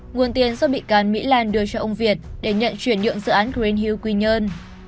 nguồn tiền do bị can mỹ lan đưa cho ông việt để nhận chuyển nhượng dự án green hill quy nhơn